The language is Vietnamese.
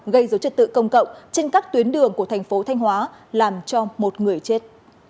gây dối trật tự công cộng trên các tuyến đường của thành phố thanh hóa làm cho một người chết